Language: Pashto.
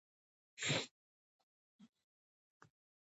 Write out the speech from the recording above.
د غاښونو برس کول مه هېروئ.